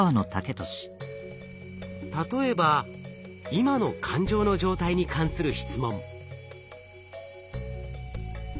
例えば今の感情の状態に関する質問。